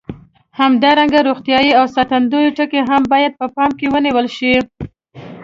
همدارنګه روغتیایي او ساتندوي ټکي هم باید په پام کې ونیول شي.